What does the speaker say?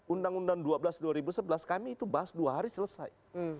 undang undang dua belas dua ribu sebelas kami itu bahas dua hari selesai